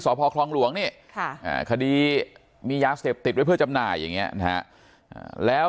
สพครองหลวงนี้คดีมียาเสพติดไว้เพื่อจำนาอย่างนี้แล้ว